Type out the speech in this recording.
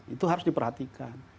itu harus diperhatikan